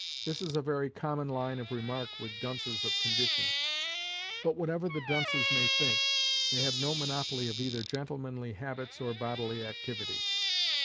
This is a very common line of remark with dunces of condition; but, whatever the dunces may think, they have no monopoly of either gentlemanly habits or bodily activity.